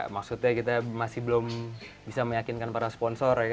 maksudnya kita masih belum bisa meyakinkan para sponsor